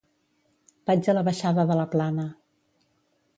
Vaig a la baixada de la Plana.